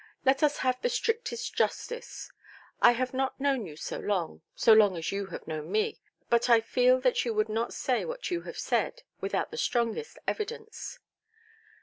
Let us have the strictest justice. I have not known you so long—so long as you have known me—but I feel that you would not say what you have said, without the strongest evidence".